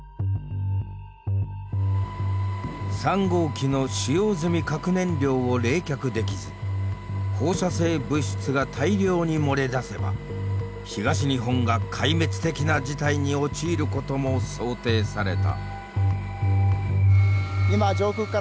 ３号機の使用済み核燃料を冷却できず放射性物質が大量に漏れ出せば東日本が壊滅的な事態に陥ることも想定された。